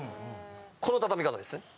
この畳み方ですね。